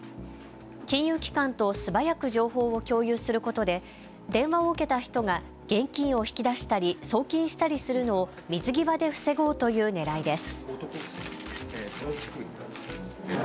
金融機関と素早く情報を共有することで電話を受けた人が現金を引き出したり送金したりするのを水際で防ごうというねらいです。